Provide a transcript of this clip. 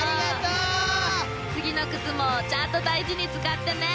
次の靴もちゃんと大事に使ってね。